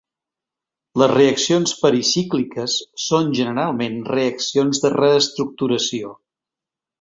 Les reaccions pericícliques són generalment reaccions de reestructuració.